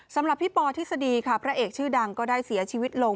สำหรับพี่ปอทฤษฎีค่ะพระเอกชื่อดังก็ได้เสียชีวิตลง